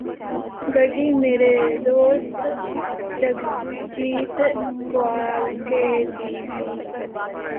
ਗੱਡੀ ਮੇਰੇ ਦੋਸਤ ਜਗਜੀਤ ਕਾਉਂਕੇ ਦੀ ਸੀ